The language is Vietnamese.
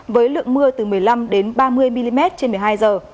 với lượng mưa từ một mươi năm ba mươi mm trên một mươi hai giờ